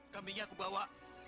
kambingnya aku bawa